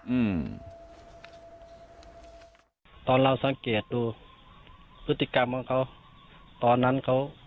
อืมตอนเราสังเกตดูพฤติกรรมของเขาตอนนั้นเขา